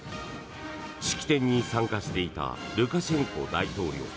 式典に参加していたルカシェンコ大統領。